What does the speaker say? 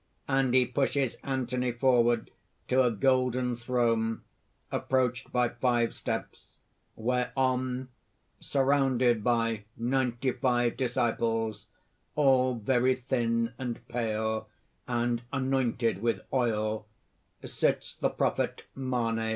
(_And he pushes Anthony forward to a golden throne approached by five steps, whereon surrounded by ninety five disciples, all very thin and pale, and anointed with oil sits the prophet Manes.